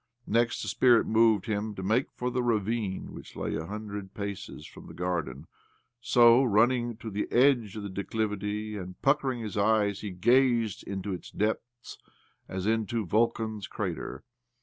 Next, the spirit moved him to make for the ravine, which lay a hundred paces from the garden ; so, nmning to the edge of the declivity, and puckering his eyes, he gazed into its depths as into Vulcan's crater.